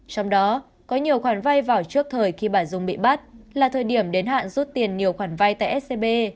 trong đó có nhiều khoản vai vào trước thời khi bà dung bị bắt là thời điểm đến hạn rút tiền nhiều khoản vay tại scb